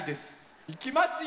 いきますよ！